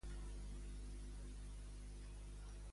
Voldria que apaguessis l'aplicació BonÀrea Online.